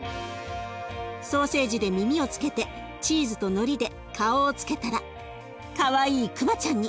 ソーセージで耳をつけてチーズとのりで顔をつけたらかわいいくまちゃんに。